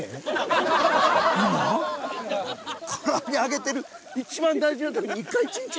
唐揚げ揚げてるいちばん大事な時に１回チ○チ○。